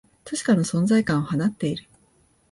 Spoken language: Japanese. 確かな存在感を放っている